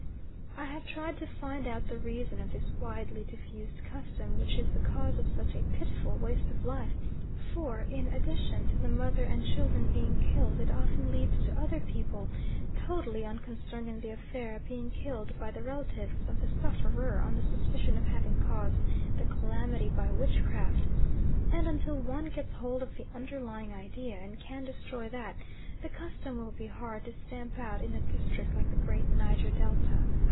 I have tried to find out the reason of this widely diffused custom which is the cause of such a pitiful waste of life; for in addition to the mother and children being killed it often leads to other people, totally unconcerned in the affair, being killed by the relatives of the sufferer on the suspicion of having caused the calamity by witchcraft, and until one gets hold of the underlying idea, and can destroy that, the custom will be hard to stamp out in a district like the great Niger Delta.